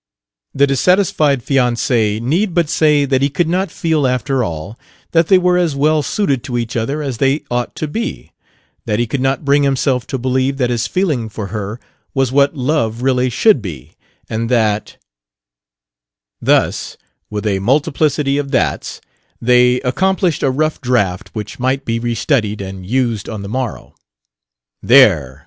The dissatisfied fiance need but say that he could not feel, after all, that they were as well suited to each other as they ought to be, that he could not bring himself to believe that his feeling for her was what love really should be, and that Thus, with a multiplicity of "that's," they accomplished a rough draft which might be restudied and used on the morrow. "There!"